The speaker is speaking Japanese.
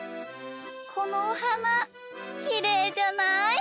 このおはなきれいじゃない？